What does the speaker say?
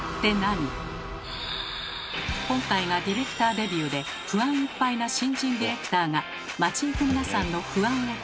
今回がディレクターデビューで不安いっぱいな新人ディレクターが街行く皆さんの不安を尋ねました。